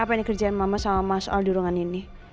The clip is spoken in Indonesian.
apa ini kerjaan mama sama masal di ruangan ini